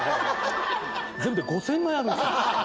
全部で５０００枚あるんですよ